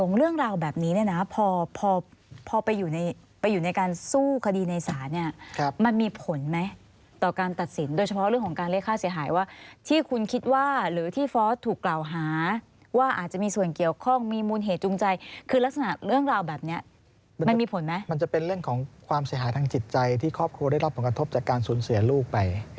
คืออย่างนี้ค่ะเวลาเขาคุยกันในสถานที่นะคะ